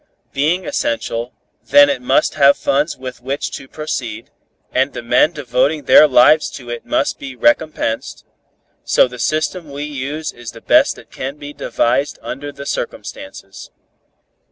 Being essential, then it must have funds with which to proceed, and the men devoting their lives to it must be recompensed, so the system we use is the best that can be devised under the circumstances.